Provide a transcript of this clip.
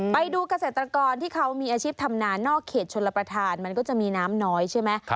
ไปดูเกษตรกรที่เขามีอาชีพทำนานอกเขตชนรับประทานมันก็จะมีน้ำน้อยใช่ไหม